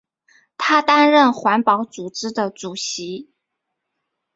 他担任环保组织的主席。